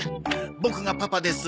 ボクがパパです。